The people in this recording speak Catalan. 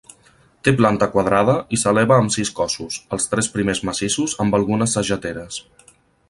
Té planta quadrada i s'eleva amb sis cossos, els tres primers massissos amb algunes sageteres.